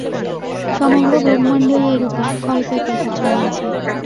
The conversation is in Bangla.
সমগ্র ব্রহ্মাণ্ডই এইরূপে কল্পে কল্পে চলিয়াছে।